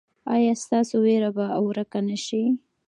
ایا ستاسو ویره به ورکه نه شي؟